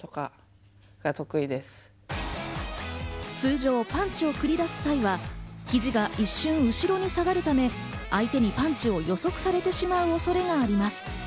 通常パンチを繰り出す際は、肘が一瞬、後ろに下がるため、相手にパンチを予測されてしまう恐れがあります。